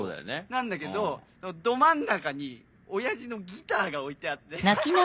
なんだけどど真ん中に親父のギターが置いてあって。